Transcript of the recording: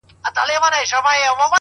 o ها دی سلام يې وکړ؛